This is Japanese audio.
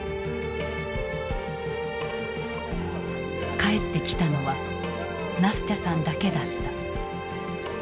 帰ってきたのはナスチャさんだけだった。